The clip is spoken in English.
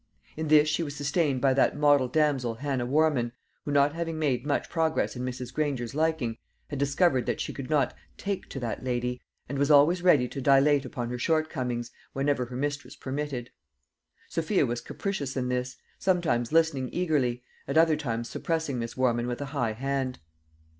In this she was sustained by that model damsel Hannah Warman, who, not having made much progress in Mrs. Granger's liking, had discovered that she could not "take to" that lady, and was always ready to dilate upon her shortcomings, whenever her mistress permitted. Sophia was capricious in this, sometimes listening eagerly, at other times suppressing Miss Warman with a high hand.